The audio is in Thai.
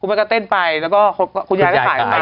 แม่ก็เต้นไปแล้วก็คุณยายก็ถ่ายไป